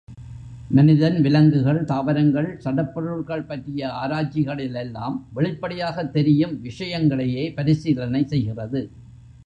மனிதன், விலங்குகள், தாவரங்கள், சடப் பொருள்கள் பற்றிய ஆராய்ச்சிகளிலெல்லாம் வெளிப்படையாகத் தெரியும் விஷயங்களையே பரிசீலனை செய்கிறது.